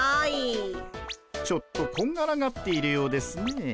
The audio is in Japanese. ちょっとこんがらがっているようですね。